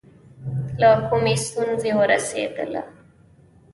له کومې ستونزې ورسېدله.